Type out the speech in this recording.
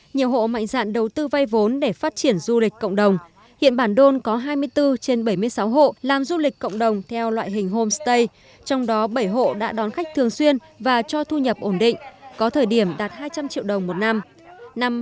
nhiều hộ mạnh dạn đầu tư vay vốn để phát triển du lịch cộng đồng hiện bản đôn có hai mươi bốn trên bảy mươi sáu hộ làm du lịch cộng đồng theo loại hình homestay trong đó bảy hộ đã đón khách thường xuyên và cho thu nhập ổn định có thời điểm đạt hai trăm linh triệu đồng một năm